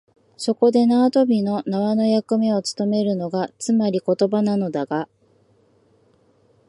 そこで縄跳びの縄の役目をつとめるのが、つまり言葉なのだが、